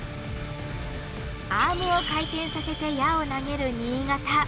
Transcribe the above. アームを回転させて矢を投げる新潟。